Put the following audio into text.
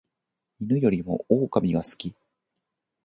犬よりも狼が好き